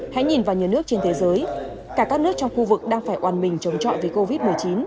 hãy nhìn vào nhà nước trên thế giới cả các nước trong khu vực đang phải oàn mình chống trọi với covid một mươi chín